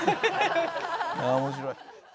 あ面白い。